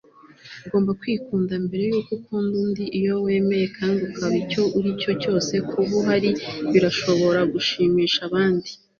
ugomba kwikunda mbere yuko ukunda undi iyo wemeye kandi ukaba icyo uri cyo cyose, kuba uhari birashobora gushimisha abandi